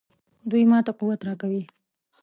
دوی ماته قوت راکوي.